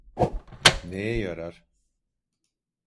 Neye yarar?